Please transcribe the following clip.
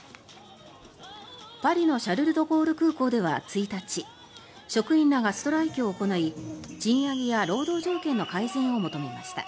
パリのシャルル・ドゴール空港では１日職員らがストライキを行い賃上げや労働条件の改善を求めました。